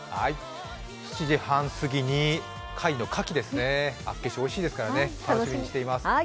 ７時半過ぎに貝の牡蠣、厚岸、おいしいですから、楽しみにしています。